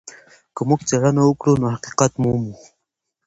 که موږ څېړنه وکړو نو حقيقت مومو.